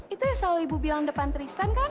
itu yang selalu ibu bilang depan tristan kah